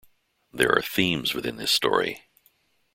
There are themes within this story.